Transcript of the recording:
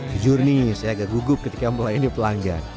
sejujurni saya agak gugup ketika melayani pelanggan